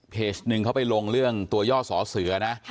หนึ่งเขาไปลงเรื่องตัวย่อสอเสือนะ